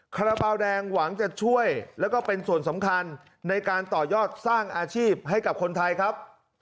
คาราบาลแดงหวังจะช่วยแล้วก็เป็นส่วนสำคัญในการต่อยอดสร้างอาชีพให้กับคนไทยครับ